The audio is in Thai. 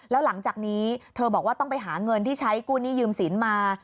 แล้วหลังจากนี้เธอบอกว่าต้องไปหาเงินที่ใช้กู้หนี้ยืมสินมา